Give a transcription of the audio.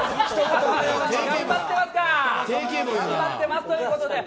頑張ってますということで。